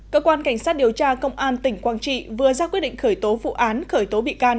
cơ quan cảnh sát điều tra công an tỉnh quảng trị vừa ra quyết định khởi tố vụ án khởi tố bị can